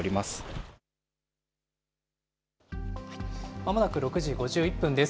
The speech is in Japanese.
まもなく６時５１分です。